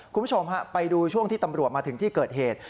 คุณผู้ชมฮะไปดูช่วงที่ตำรวจมาถึงที่เกิดเหตุ